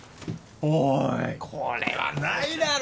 おいこれはないだろ。